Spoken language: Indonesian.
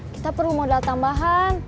kita perlu modal tambahan